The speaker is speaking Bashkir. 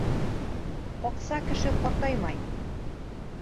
Ҡаҡса кеше ҡартаймай.